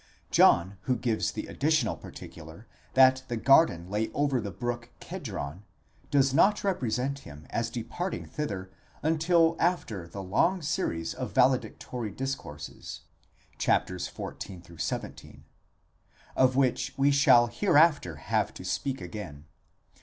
John, who gives the addi tional particular that the garden lay over the brook Kedron, does not repre sent him as departing thither until after a long series of valedictory discourses (xiv.—xvii.), of which we shall hereafter have to speak again.